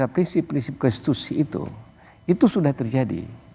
prinsip prinsip konstitusi itu itu sudah terjadi